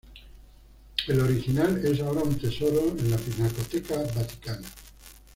El original es ahora un tesoro en la Pinacoteca Vaticana.